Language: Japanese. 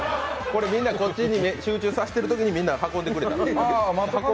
みんな、こっちに集中させてるときに運んでくれた。